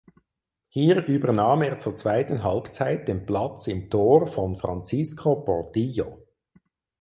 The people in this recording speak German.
Hier übernahm er zur zweiten Halbzeit den Platz im Tor von Francisco Portillo.